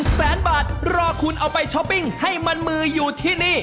แสนบาทรอคุณเอาไปช้อปปิ้งให้มันมืออยู่ที่นี่